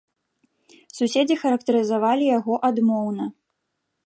Суседзі характарызавалі яго адмоўна.